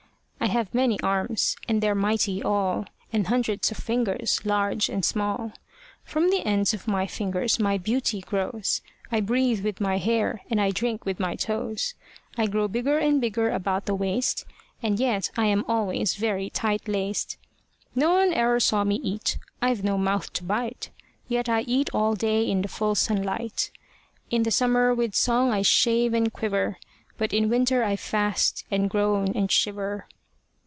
I have many arms, and they're mighty all; And hundreds of fingers, large and small. From the ends of my fingers my beauty grows. I breathe with my hair, and I drink with my toes. I grow bigger and bigger about the waist, And yet I am always very tight laced. None e'er saw me eat I've no mouth to bite; Yet I eat all day in the full sunlight. In the summer with song I shave and quiver, But in winter I fast and groan and shiver.